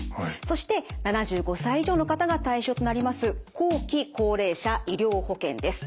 そして７５歳以上の方が対象となります後期高齢者医療保険です。